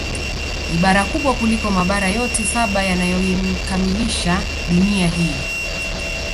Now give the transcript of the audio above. Ni bara kubwa kuliko Mabara yote saba yanayoikamilisha Dunia hii